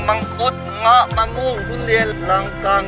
มังกุ๊ดง็อมะมุ้งทุเรียนรองกอง